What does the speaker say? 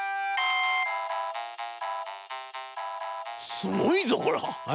「『すごいぞこれは！